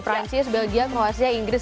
prancis belgia kruasia inggris